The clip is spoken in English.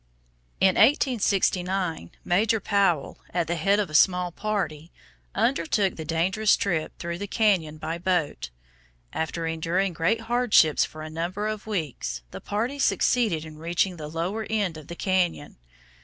In 1869 Major Powell, at the head of a small party, undertook the dangerous trip through the cañon by boat. After enduring great hardships for a number of weeks, the party succeeded in reaching the lower end of the cañon.